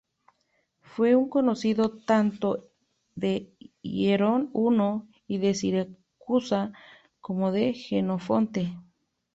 Fue un conocido tanto de Hierón I de Siracusa como de Jenofonte.